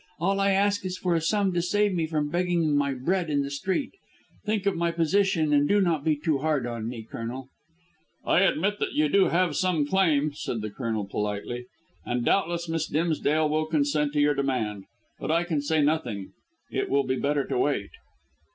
All I ask is for a sum to save me from begging my bread in the street. Think of my position and do not be too hard on me, Colonel." "I admit that you have some claim," said the Colonel politely; "and doubtless Miss Dimsdale will consent to your demand. But I can say nothing. It will be better to wait."